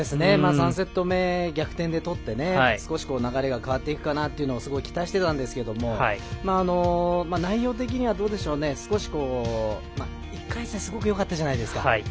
３セット目、逆転で取って流れが変わるかなとすごい期待してたんですけど内容的には少し１回戦すごくよかったじゃないですか。